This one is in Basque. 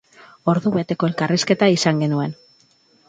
Ordu beteko elkarrizketa izan genuen.